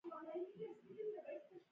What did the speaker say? فریدګل د ډګروال خپګان درک کړ